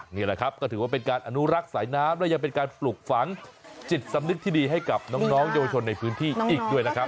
นี่แหละครับก็ถือว่าเป็นการอนุรักษ์สายน้ำและยังเป็นการปลูกฝังจิตสำนึกที่ดีให้กับน้องเยาวชนในพื้นที่อีกด้วยนะครับ